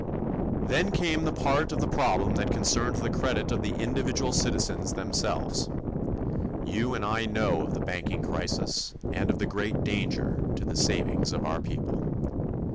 Then came the part of the problem that concerned the credit of the individual citizens themselves. You and I know of the banking crisis and of the great danger to the savings of our people.